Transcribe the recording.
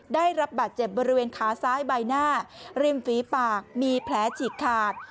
ได้รับบาดเจ็บบริเวณขาซ้ายใบหน้าริมฝีปากมีแผลฉีกขาด